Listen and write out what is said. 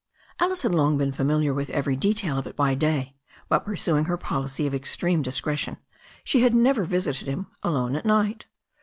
Alice had long been familiar with every detail of it by day, but pursuing her policy of extreme discretion, she had never visited him alone at night.